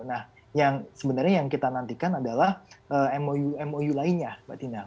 nah yang sebenarnya yang kita nantikan adalah mou mou lainnya mbak tina